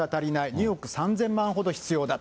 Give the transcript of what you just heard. ２億３０００万ほど必要だと。